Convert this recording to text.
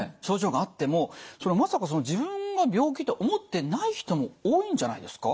症状があってもまさか自分が病気と思ってない人も多いんじゃないですか？